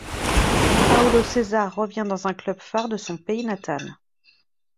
Paulo César revient dans un club phare de son pays natal.